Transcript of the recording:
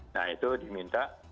nah itu diminta